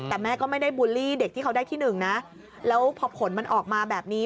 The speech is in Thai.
แต่แม่ก็ไม่ได้บูลลี่เด็กที่เขาได้ที่หนึ่งนะแล้วพอผลมันออกมาแบบนี้